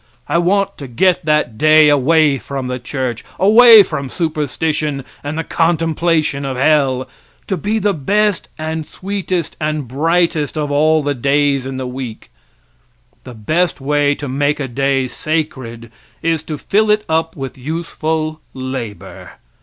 I want to get that day away from the church, away from superstition and the contemplation of hell, to be the best and sweetest and brightest of all the days in the week. The best way to make a day sacred is to fill it up with useful labor.